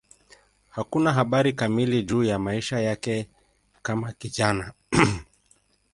Hakuna habari kamili juu ya maisha yake kama kijana.